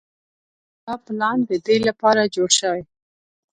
دا پلان د دې لپاره جوړ شوی.